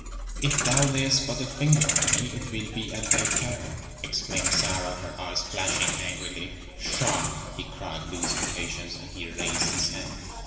"If thou layest but a finger on me, it will be at thy peril," exclaimed Sarah, her eyes flashing angrily. "Pshaw!" he cried, losing patience, and he raised his hand.